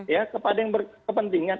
ya kepada yang berkepentingan